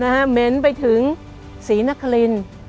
เหม็นไปถึงศรีนครินทร์